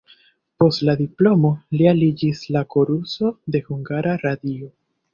Post la diplomo li aliĝis al koruso de Hungara Radio.